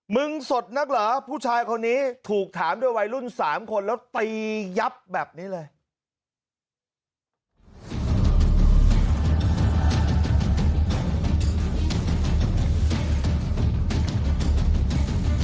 มึงสดนักเหรอผู้ชายคนนี้ถูกถามด้วยวัยรุ่น๓คนแล้วตียับแบบนี้เลย